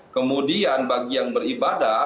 kemudian bagi yang beribadah